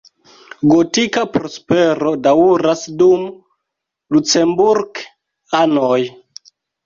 Gotika prospero daŭras dum Lucemburk-anoj.